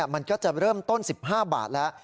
มันก็จะเริ่มต้น๑๕บาทแล้ว